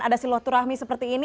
ada silaturahmi seperti ini